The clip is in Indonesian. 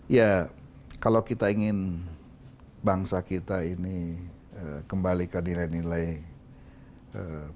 ya kalau kita ingin bangsa kita ini kembalikan nilai nilai perjuangan